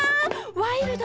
ワイルド！